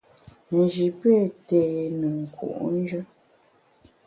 Nji pé té ne nku’njù.